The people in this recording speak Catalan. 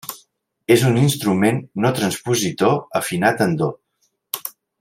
És un instrument no transpositor, afinat en Do.